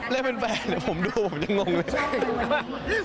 เล่นเป็นแฟนเดี๋ยวผมดูผมยังงงเลย